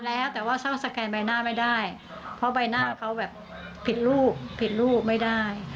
แล้วแต่ว่าเศร้าสแกนใบหน้าไม่ได้เพราะใบหน้าเขาแบบผิดลูกผิดลูกไม่ได้